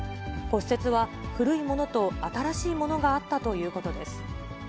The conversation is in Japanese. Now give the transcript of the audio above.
骨折は古いものと新しいものがあったということです。